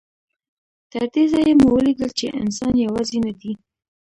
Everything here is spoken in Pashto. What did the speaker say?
تر دې ځایه مو ولیدل چې انسان یوازې نه دی.